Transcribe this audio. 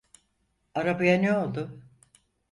Arabaya ne oldu?